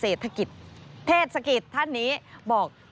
เจ้าหน้าที่เศรษฐกิจท่านนี้บอก